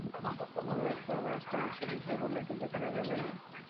মনে রাখতে হবে, আজকের বিশ্বে পিছিয়ে পড়লে টিকে থাকা যাবে না।